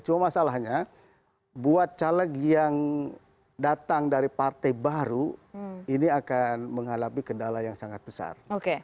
cuma masalahnya buat caleg yang datang dari partai baru ini akan mengalami kendala yang sangat besar